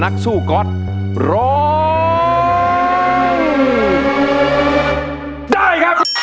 ก็ร้องได้